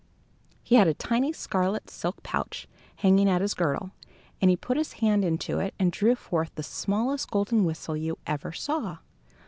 He had a tiny scarlet silk pouch hanging at his girdle, and he put his hand into it and drew forth the smallest golden whistle you ever saw.